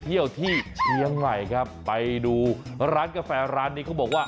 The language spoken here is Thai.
เที่ยวที่เชียงใหม่ครับไปดูร้านกาแฟร้านนี้เขาบอกว่า